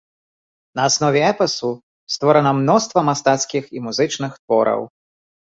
На аснове эпасу створана мноства мастацкіх і музычных твораў.